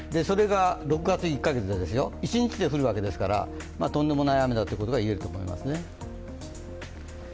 ６月１か月ですよ、それが一日で降るわけですからとんでもない雨だということが言えると思います。